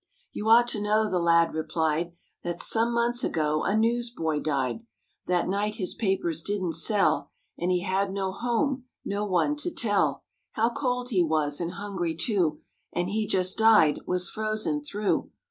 "You ought to know," the lad replied, "That some months ago a newsboy died. That night his papers didn't sell And he had no home; no one to tell How cold he was and hungry too, And he just died; was frozen through.